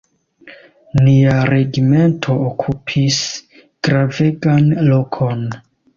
Nia regimento okupis gravegan lokon.